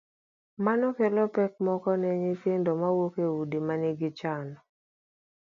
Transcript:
Mano kelo pek moko ne nyithindo mawuok e udi ma nigi chan: